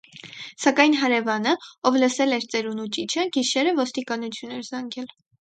Սակայն հարևանը, ով լսել էր ծերունու ճիչը, գիշերը ոստիկանություն էր զանգել։